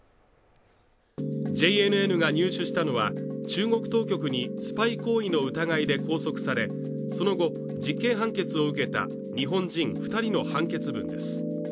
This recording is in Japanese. ＪＮＮが入手したのは中国当局にスパイ行為の疑いで拘束されその後、実刑判決を受けた日本人２人の判決文です。